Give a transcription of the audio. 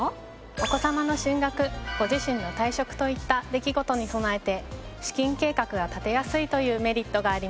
お子様の進学ご自身の退職といった出来事に備えて資金計画が立てやすいというメリットがあります。